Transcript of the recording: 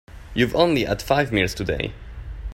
You've only had five meals today.